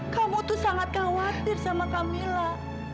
kamu tuh sangat khawatir sama camilla